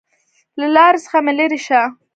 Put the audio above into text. له لارې څخه مې لېرې شه!